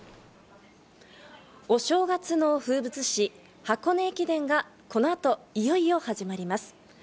お正月の風物詩、箱根駅伝がこの後、いよいよ始まります。